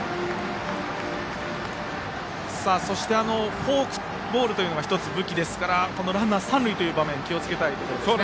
そして、フォークボールが１つ武器ですからランナー、三塁という場面気をつけたいところですね。